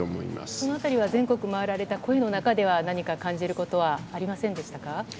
そのあたりは全国回られた声の中では、何か感じることはありませんでしたか。